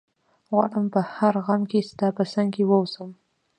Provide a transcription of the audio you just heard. غواړم په هر غم کي ستا په څنګ کي ووسم